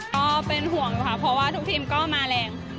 ก็เป็นห่วงอยู่ค่ะเพราะว่าทุกทีมก็มาแรง